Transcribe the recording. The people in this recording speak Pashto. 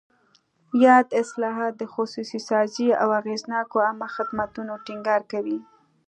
یاد اصلاحات د خصوصي سازۍ او اغېزناکو عامه خدمتونو ټینګار کوي.